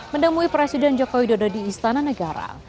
menemui presiden joko widodo di istana negara